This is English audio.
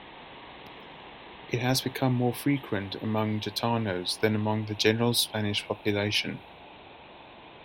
It has become more frequent among Gitanos than among the general Spanish population.